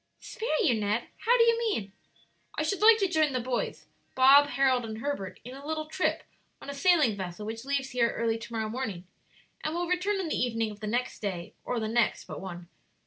"Spare you, Ned? How do you mean?" "I should like to join the boys Bob, Harold, and Herbert in a little trip on a sailing vessel which leaves here early to morrow morning and will return on the evening of the next day or the next but one.